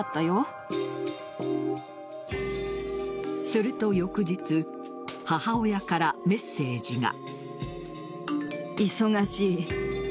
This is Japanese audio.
すると翌日母親からメッセージが。